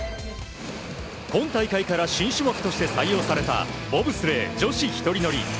今大会から新種目として採用されたボブスレー女子１人乗り。